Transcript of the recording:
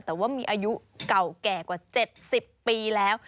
แต่ว่ามีอายุเก่าแก่กว่า๗๐ปีแล้ว